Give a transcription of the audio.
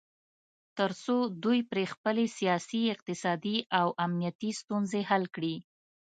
تر څو دوی پرې خپلې سیاسي، اقتصادي او امنیتي ستونځې حل کړي